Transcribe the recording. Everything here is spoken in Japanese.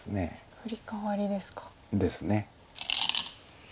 フリカワリですか。ですね。